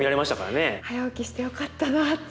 早起きしてよかったなって